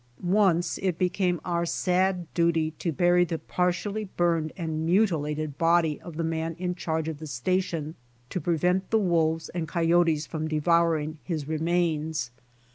Once it became our sad duty to bury the par tially burned and mutilated body of the man in charge of the station to prevent the wolves and coyotes from devouring his remains.